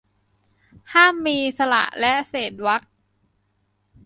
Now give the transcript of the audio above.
ห้ามมีสระและเศษวรรค